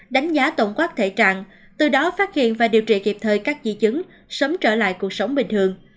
đánh giá tổng quát thể trạng từ đó phát hiện và điều trị kịp thời các di chứng sớm trở lại cuộc sống bình thường